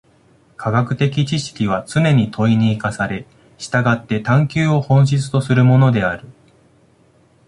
科学的知識はつねに問に生かされ、従って探求を本質とするものである。